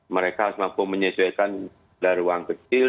mereka harus mampu menyesuaikan dari uang kecil